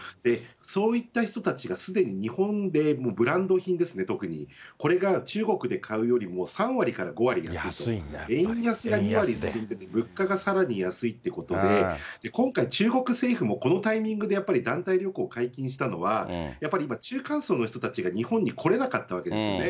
そういった人たちがすでに日本でブランド品ですね、特に、これが中国で買うよりも３割から５割、円安が２割、物価がさらに安いということで、今回、中国政府もこのタイミングでやっぱり団体旅行解禁したのは、やっぱり今、中間層の方たちが日本に来れなかったわけですよね。